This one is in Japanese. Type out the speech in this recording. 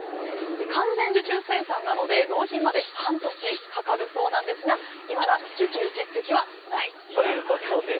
完全受注生産なので納品まで半年かかるそうですがいまだ受注実績はないということです。